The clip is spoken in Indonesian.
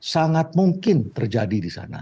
sangat mungkin terjadi di sana